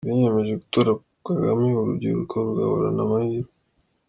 Biyemeje gutora Kagame urubyiruko rugahorana amahirwe.